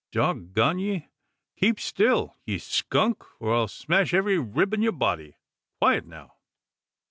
Dog gone ye! keep still, ye skunk, or I'll smash every rib in yur body! Quiet now!"